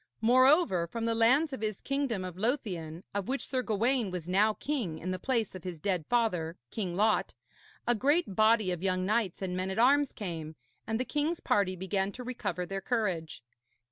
Moreover, from the lands of his kingdom of Lothian, of which Sir Gawaine was now king in the place of his dead father, King Lot, a great body of young knights and men at arms came; and the king's party began to recover their courage.